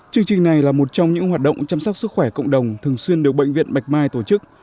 chương trình này là một trong những hoạt động chăm sóc sức khỏe cộng đồng thường xuyên được bệnh viện bạch mai tổ chức